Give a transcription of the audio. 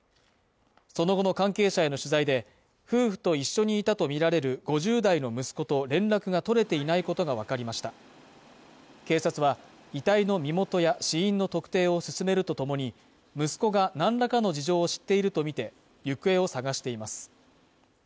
その後の関係者への取材で夫婦と一緒にいたと見られる５０代の息子と連絡が取れていないことが分かりました警察は遺体の身元や死因の特定を進めるとともに息子が何らかの事情を知っているとみて行方を捜しています